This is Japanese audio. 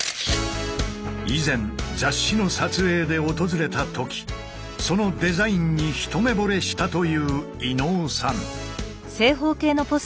以前雑誌の撮影で訪れたときそのデザインに一目ぼれしたという伊野尾さん。